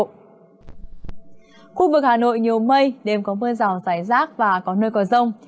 khu vực hà nội nhiều mây đêm có mưa rào rải rác và có nơi có rông